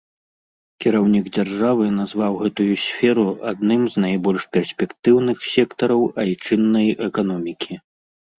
Кіраўнік дзяржавы назваў гэтую сферу адным з найбольш перспектыўных сектараў айчыннай эканомікі.